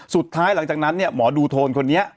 หลังจากนั้นเนี่ยหมอดูโทนคนนี้